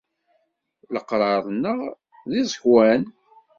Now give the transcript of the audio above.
Leqrar-nneɣ d iẓekwan.